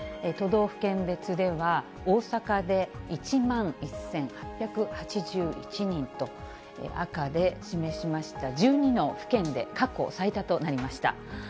都道府県別では、大阪で１万１８８１人と、赤で示しました、１２の府県で過去最多となりました。